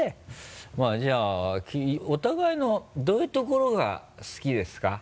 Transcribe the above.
まぁじゃあお互いのどういう所が好きですか？